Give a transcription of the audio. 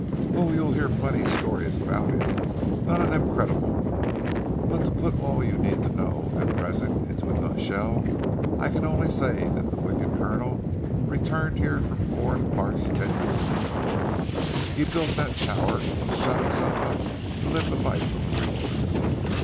"Oh, you'll hear plenty of stories about him, none of them creditable. But to put all you need know at present into a nut shell, I can only say that the wicked Colonel returned here from foreign parts ten years ago. He built that tower, and shut himself up to live the life of a recluse.